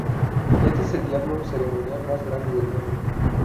Este es el diablo ceremonial más grande del mundo.